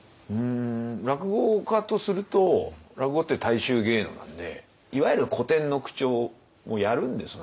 落語家とすると落語って大衆芸能なんでいわゆる古典の口調をやるんですが。